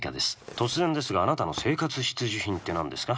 突然ですがあなたの生活必需品って何ですか？